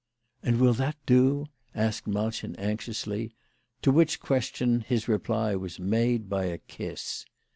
" And will that do?" asked Malchen anxiously ; to which question his reply was made by a kiss.